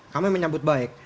kami menyambut baik